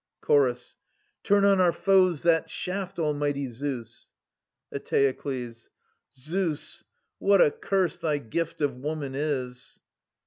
Chorus. Turn on our foes that shaft, almighty Zeus ! Eteokles. Zeus, what a curse thy gift of woman is